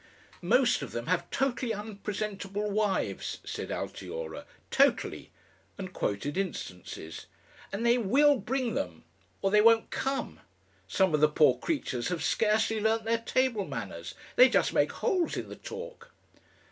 "Most of them have totally unpresentable wives," said Altiora, "totally!" and quoted instances, "and they WILL bring them. Or they won't come! Some of the poor creatures have scarcely learnt their table manners. They just make holes in the talk...."